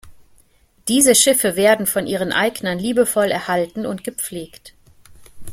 Diese Schiffe werden von ihren Eignern liebevoll erhalten und gepflegt.